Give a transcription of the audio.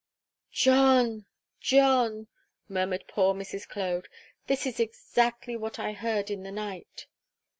'John, John!' murmured poor Mrs. Clode; 'this is exactly what I heard in the night.'